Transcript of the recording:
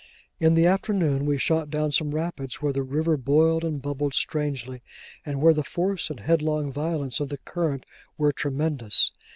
In the afternoon we shot down some rapids where the river boiled and bubbled strangely, and where the force and headlong violence of the current were tremendous.